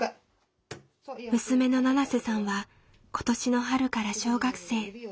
娘のななせさんは今年の春から小学生。